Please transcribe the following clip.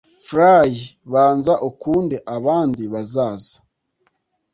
fly banza ukunde abandi bazaza